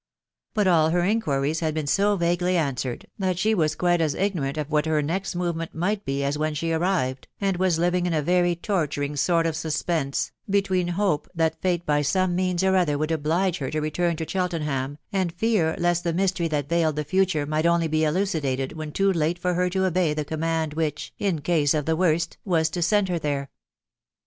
But all her inquiries had been so vaguely answered, that she was quite as ignorant of what her next movement might be as when she arrived, and was living in a very torturing sort of suspense, between hope that fate by some means or other would oblige her to return to Cheltenham, and fear lest the mystery that veiled the future might only be elucidated when too late for her to obey the command which, in case of the worst, was to send her there.